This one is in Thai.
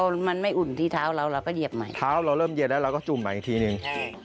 แล้วเราก็จุ่มไปอีกทีนึง